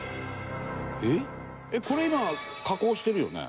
これ今加工してるよね？